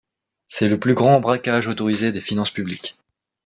C’est le plus grand braquage autorisé des finances publiques.